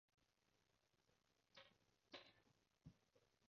佢話係鹹濕嘢唔俾我睇